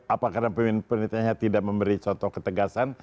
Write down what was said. apa karena pimpin pemerintahnya tidak memberi contoh ketegasan